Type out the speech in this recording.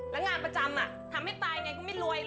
แล้วงานประจำอ่ะทำให้ตายยังไงก็ไม่รวยหรอก